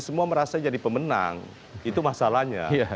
semua merasa jadi pemenang itu masalahnya